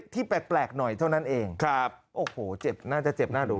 ที่แปลกหน่อยเท่านั้นเองครับโอ้โหเจ็บน่าจะเจ็บน่าดู